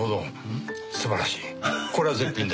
これは絶品です。